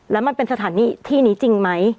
แล้วมันเป็นสถานที่ที่นี้จริงไหม